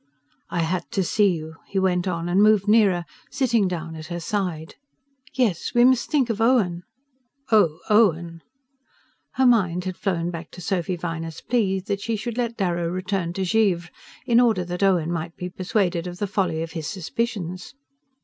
"I had to see you," he went on, and moved nearer, sitting down at her side. "Yes; we must think of Owen " "Oh, Owen !" Her mind had flown back to Sophy Viner's plea that she should let Darrow return to Givre in order that Owen might be persuaded of the folly of his suspicions.